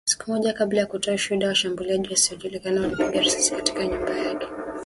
Siku moja kabla ya kutoa ushuhuda, washambuliaji wasiojulikana walipiga risasi katika nyumba yake